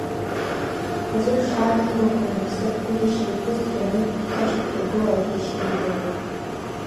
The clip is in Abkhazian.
Аӡәы хшаа димамкәан дыԥсыр, уи иашьа иԥҳәыс дганы иеиҭашьақәиргылааит иашьа ижәла.